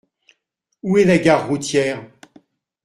Où est la gare routière ?